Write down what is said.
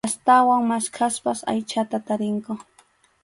Astawan maskhaspa aychata tarinku.